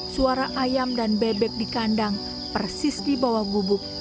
suara ayam dan bebek di kandang persis di bawah gubuk